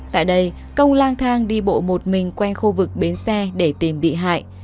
tại đây công lang thang đi bộ một mình quanh khu vực bến xe để tìm bị hại